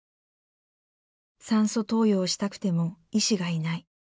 酸素投与をしたくても医師がいない。